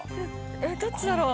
えっどっちだろう？